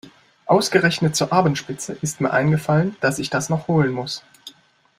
Ausgerechnet zur Abendspitze ist mir eingefallen, dass ich das noch holen muss.